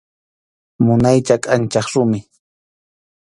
Munaycha kʼanchaq rumi.